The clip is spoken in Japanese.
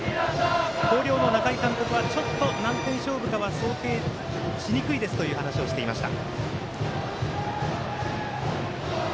広陵の中井監督はちょっと何点勝負かは想定しにくいですという話をしていました。